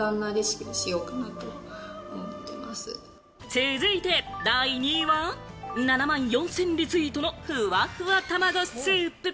続いて第２位は、７万４０００リツイートのふわふわたまごスープ。